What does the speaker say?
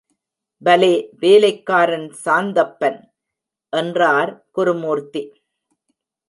பலே வேலைக்காரன் சாந்தப்பன்! என்றார் குருமூர்த்தி.